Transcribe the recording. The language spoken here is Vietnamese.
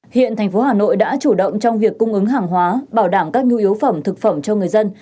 hiện thành phố hà nội đã chủ động trong việc cung ứng hàng hóa bảo đảm các nhu yếu phẩm thực phẩm cho người dân